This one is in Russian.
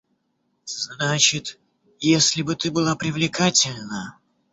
Значит, если бы ты была привлекательна...